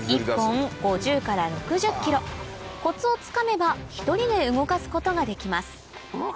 コツをつかめば１人で動かすことができます